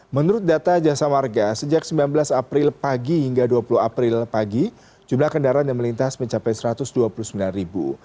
menurut data jasa warga sejak sembilan belas april pagi hingga dua puluh april pagi jumlah kendaraan yang melintas mencapai satu ratus dua puluh sembilan ribu